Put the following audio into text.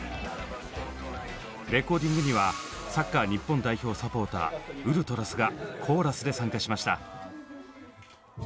レコーディングにはサッカー日本代表サポーターＵＬＴＲＡＳがコーラスで参加しました。